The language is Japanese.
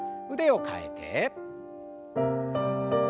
腕を替えて。